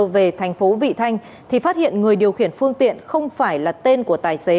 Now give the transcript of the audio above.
về thành phố vị thanh thì phát hiện người điều khiển phương tiện không phải là tên của tài xế